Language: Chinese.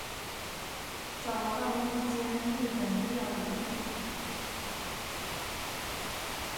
找到一间日本料理店